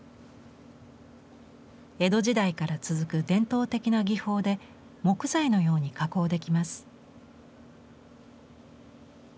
江戸時代から続く伝統的な技法で木材のように加工できます。